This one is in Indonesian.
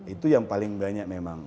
itu yang paling banyak memang